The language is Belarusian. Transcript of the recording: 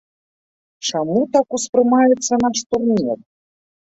Чаму так успрымаецца наш турнір?